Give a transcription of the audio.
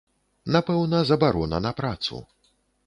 Напэўна, забарона на працу.